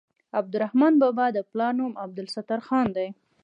د عبدالرحمان بابا د پلار نوم عبدالستار خان دی.